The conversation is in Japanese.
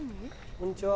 こんにちは。